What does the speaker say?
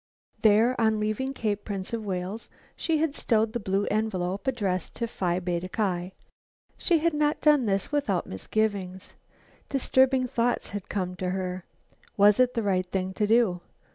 There, on leaving Cape Prince of Wales, she had stowed the blue envelope addressed to Phi Beta Ki. She had not done this without misgivings. Disturbing thoughts had come to her. Was it the right thing to do?